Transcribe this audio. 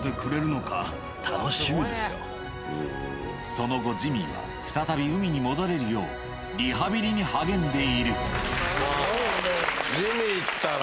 その後ジミーは再び海に戻れるようリハビリに励んでいるジミーったら